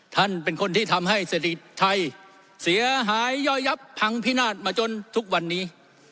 ท่านเป็นคนที่ทำให้เศรษฐกิจไทยเสียหายย่อยยับพังพินาศมาจนทุกวันนี้